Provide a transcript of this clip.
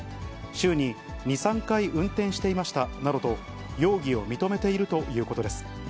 週に２、３回運転していましたなどと容疑を認めているということです。